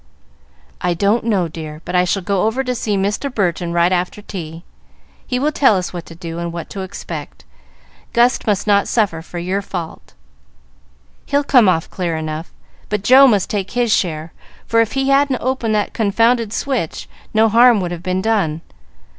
"I don't know, dear, but I shall go over to see Mr. Burton right after tea. He will tell us what to do and what to expect. Gus must not suffer for your fault." "He'll come off clear enough, but Joe must take his share, for if he hadn't opened that confounded switch, no harm would have been done.